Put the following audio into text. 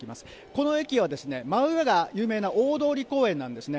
この駅は真上が有名な大通公園なんですね。